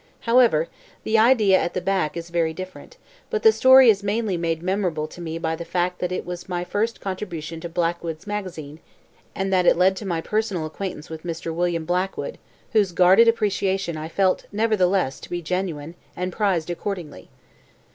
However, the idea at the back is very different; but the story is mainly made memorable to me by the fact that it was my first contribution to Blackwoods Magazine and that it led to my personal acquaintance with Mr. William Blackwood whose guarded appreciation I felt nevertheless to be genuine, and prized accordingly.